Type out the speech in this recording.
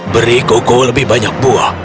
beri koko lebih banyak buah